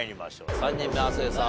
３人目亜生さん